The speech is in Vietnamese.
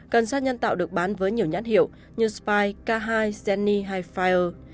cần xa nhân tạo được bán với nhiều nhãn hiệu như spy k hai zenny hay fire